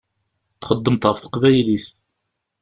Txeddmeḍ ɣef teqbaylit.